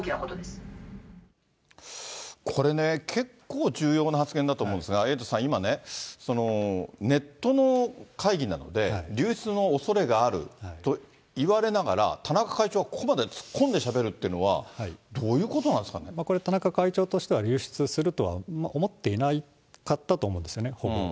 これね、結構重要な発言だと思うんですが、エイトさん、今ね、ネットの会議なので、流出のおそれがあるといわれながら、田中会長はここまで突っ込んでしゃべるっていうのは、どういうここれ、田中会長としては、流出するとは思っていなかったと思うんですよね、ほぼ。